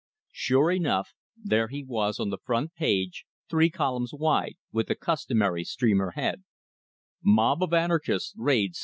Sure enough, there he was on the front page, three columns wide, with the customary streamer head: MOB OF ANARCHISTS RAID ST.